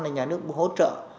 là nhà nước hỗ trợ